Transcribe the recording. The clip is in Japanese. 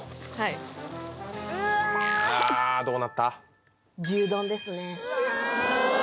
うわあどうなった？